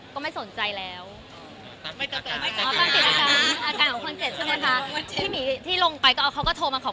ลังสินอาการเค้าบ้างไหมครับ